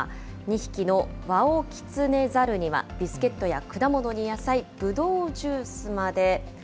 ２匹のワオキツネザルには、ビスケットや果物に野菜、ブドウジュースまで。